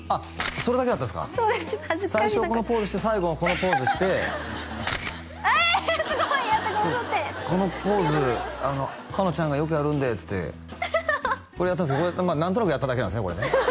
そうです最初このポーズして最後もこのポーズしてえーすごいやってくださってこのポーズ花ちゃんがよくやるんでっつってこれやったんですけど何となくやっただけなんですね